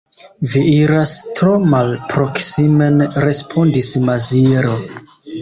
Vi iras tro malproksimen, respondis Maziero.